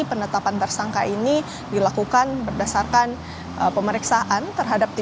penetapan tersangka ini dilakukan berdasarkan pemeriksaan terhadap tiga puluh enam saksi